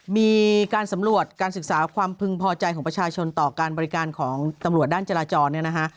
มีการสำรวจการศึกษาความพึงพอใจของประชาชนต่อการบริการของตำรวจด้านจราจรเนี่ยนะฮะ